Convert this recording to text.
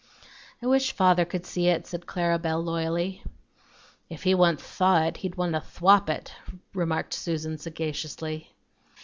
"I wish father could see it," said Clara Belle loyally. "If he onth thaw it he'd want to thwap it," murmured Susan sagaciously.